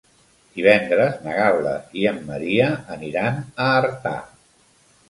Divendres na Gal·la i en Maria aniran a Artà.